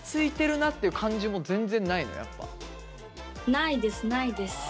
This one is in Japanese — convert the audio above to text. ないですないです。